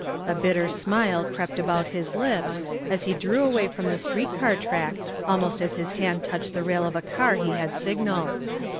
A bitter smile crept about his lips as he drew away from the street car track almost as his hand touched the rail of a car he had signaled.